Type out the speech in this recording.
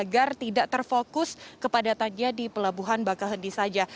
nanti juga terfokus kepadatannya di pelabuhan bakaheni saja